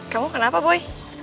kamu kenapa boy